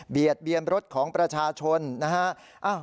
เบียดเบียนรถของประชาชนนะครับ